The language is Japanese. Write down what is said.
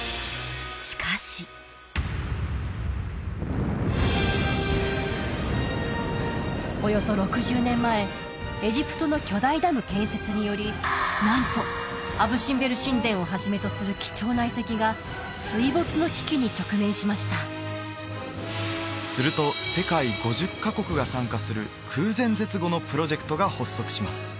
しかしおよそ６０年前エジプトの巨大ダム建設によりなんとアブ・シンベル神殿をはじめとする貴重な遺跡が水没の危機に直面しましたすると世界５０カ国が参加する空前絶後のプロジェクトが発足します